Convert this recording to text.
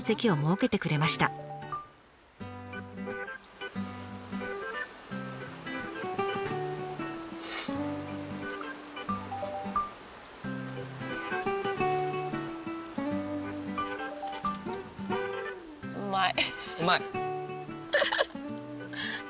うまい？